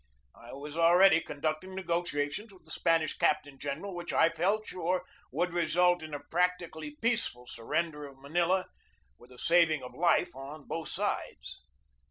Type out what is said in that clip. I was already conducting negotiations with the Spanish captain general which I felt sure would result in a practically peaceful sur render of Manila, with a saving of life on both sides.